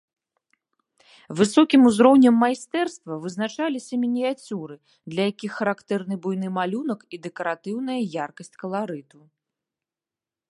Высокім узроўнем майстэрства вызначаліся мініяцюры, для якіх характэрны буйны малюнак і дэкаратыўная яркасць каларыту.